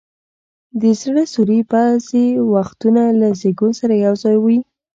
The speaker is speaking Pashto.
د زړه سوري بعضي وختونه له زیږون سره یو ځای وي.